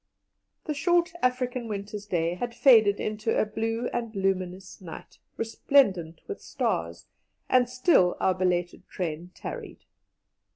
The short African winter's day had faded into a blue and luminous night, resplendent with stars, and still our belated train tarried.